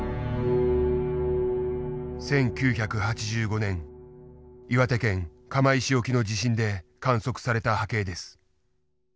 １９８５年岩手県釜石沖の地震で観測された波形です。